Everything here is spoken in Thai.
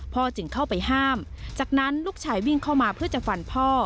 จึงเข้าไปห้ามจากนั้นลูกชายวิ่งเข้ามาเพื่อจะฟันพ่อ